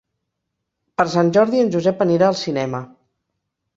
Per Sant Jordi en Josep anirà al cinema.